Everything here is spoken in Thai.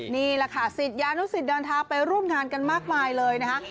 นี่แหละค่ะศิษยานุสิตเดินทางไปร่วมงานกันมากมายเลยนะคะ